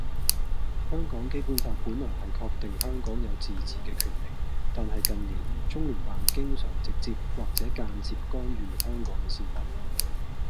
香港基本法本來係確定香港有自治嘅權力，但係近年中聯辦經常直接或者間接干預香港嘅事務。